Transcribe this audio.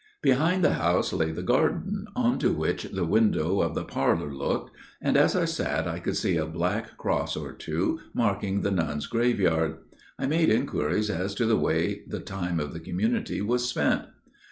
Behind the house lay the garden, on to which the window of the parlour looked; and as I sat I could see a black cross or two marking the nuns' graveyard. I made inquiries as to the way the time of the community was spent.